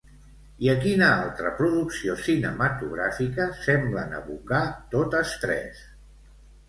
I a quina altra producció cinematogràfica semblen evocar totes tres?